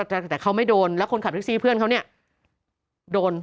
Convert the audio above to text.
แต่เขาไม่โดนแล้วคนขับแท็กซี่เพื่อนเขาเนี่ยโดน